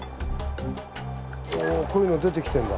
おこういうの出てきてんだ。